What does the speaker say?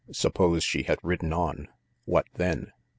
Suppose she had ridden on; what then?